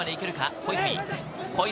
小泉。